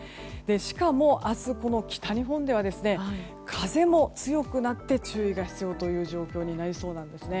しかも、明日この北日本では風も強くなって注意が必要という状況になりそうです。